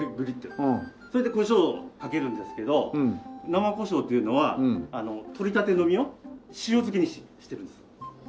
それで胡椒をかけるんですけど生胡椒というのはとりたての実を塩漬けにしているんですよ。